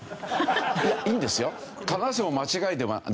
いやいいんですよ。